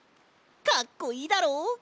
かっこいいだろ？